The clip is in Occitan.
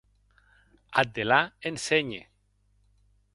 Ath delà, ensenhe.